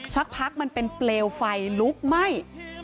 สักพักมันเป็นเปลวไฟลุกไหม้